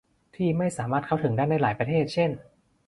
ที่ไม่สามารถเข้าถึงได้ในหลายประเทศเช่น